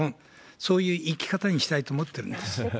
そういう生き方にしたいと思ってすてきですね。